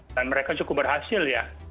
dan mereka cukup berhasil ya